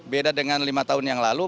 beda dengan lima tahun yang lalu